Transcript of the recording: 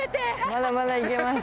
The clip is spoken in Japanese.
まだまだ行けます。